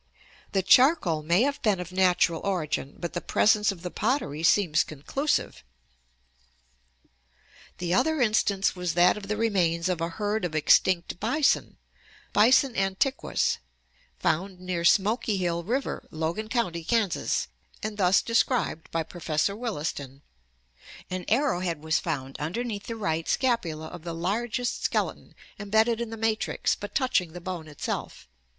The charcoal may have been of natural origin, but the presence of the pottery seems conclusive. The other instance was that of the remains of a herd of extinct bison (Bison aniiquus) found near Smoky Hill River, Logan County, Kansas, and thus described by Professor Williston: An "arrow head was found underneath the right scapula of the largest skeleton, embedded in the matrix, but touching the bone itself.